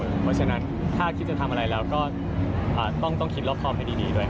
เพราะฉะนั้นถ้าคิดจะทำอะไรเราก็ต้องคิดรอบครอบให้ดีด้วย